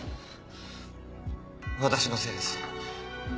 私のせいです。